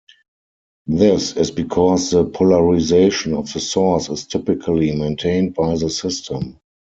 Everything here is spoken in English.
This is because the polarization of the source is typically maintained by the system.